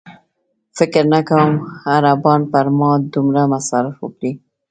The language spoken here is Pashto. فکر نه کوم عربان پر ما دومره مصارف وکړي.